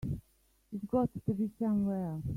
It's got to be somewhere.